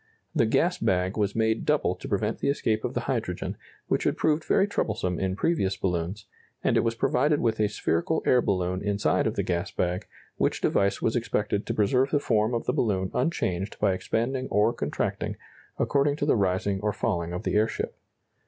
The gas bag was made double to prevent the escape of the hydrogen, which had proved very troublesome in previous balloons, and it was provided with a spherical air balloon inside of the gas bag, which device was expected to preserve the form of the balloon unchanged by expanding or contracting, according to the rising or falling of the airship.